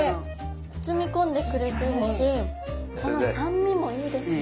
包み込んでくれてるしこの酸味もいいですね。